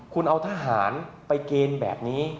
คุณเอาทหารไปเกณฑ์แบบนี้